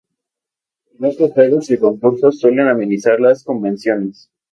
Diversos juegos y concursos suelen amenizar las convenciones.